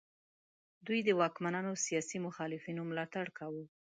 دوی د واکمنانو سیاسي مخالفینو ملاتړ کاوه.